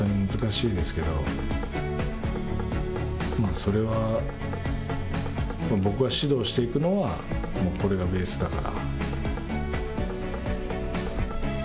それは僕が指導していくのはこれがベースだから。